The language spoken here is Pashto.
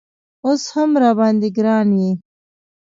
اوس هم راباندې ګران یې